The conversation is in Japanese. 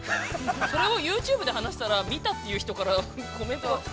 それをユーチューブで話したら、見たって人からコメントが来て。